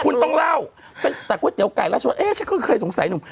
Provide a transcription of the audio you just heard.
คุณต้องเล่าเป็นแต่ก๋วยเตี๋ยวไก่ราชเอ๊ฉันก็เคยสงสัยหนุ่ม